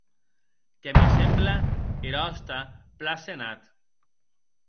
Que me semble er òste plan senat.